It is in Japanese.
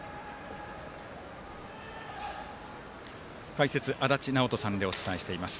解説、足達尚人さんでお伝えしています。